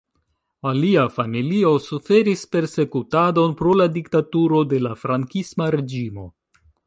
Lia familio suferis persekutadon pro la diktaturo de la frankisma reĝimo.